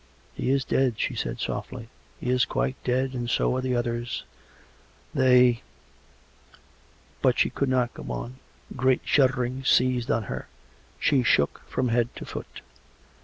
" He is dead," she said softly. " He is quite dead, and so are the others. They " But she could not go on. Great shuddering seized on her; she shook from head to foot.